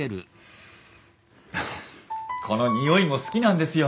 この匂いも好きなんですよ。